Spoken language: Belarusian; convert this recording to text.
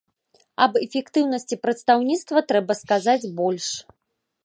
Аб эфектыўнасці прадстаўніцтва трэба сказаць больш.